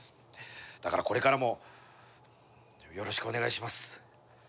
だからこれからもよろしくお願いします。